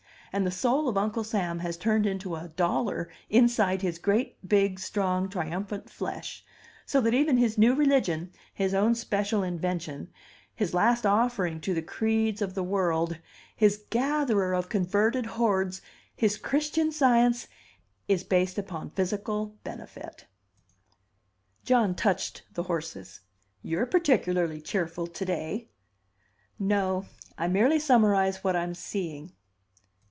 And the soul of Uncle Sam has turned into a dollar inside his great, big, strong, triumphant flesh; so that even his new religion, his own special invention, his last offering to the creeds of the world, his gatherer of converted hordes, his Christian Science, is based upon physical benefit." John touched the horses. "You're particularly cheerful to day!" "No. I merely summarize what I'm seeing."